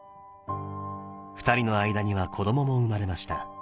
２人の間には子どもも生まれました。